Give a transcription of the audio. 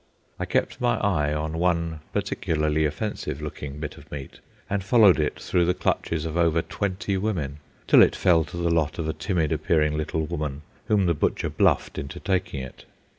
I kept my eye on one particularly offensive looking bit of meat, and followed it through the clutches of over twenty women, till it fell to the lot of a timid appearing little woman whom the butcher bluffed into taking it.